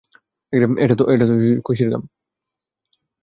এটাতো খুশির ঘাম।